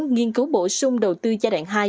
nghiên cứu bổ sung đầu tư giai đoạn hai